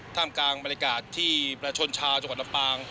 ท่ามกลางบรรยากาศที่ประชาชนชาวจังหวัดลำปาง